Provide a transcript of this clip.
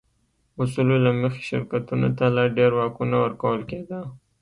اصولو له مخې شرکتونو ته لا ډېر واکونه ورکول کېده.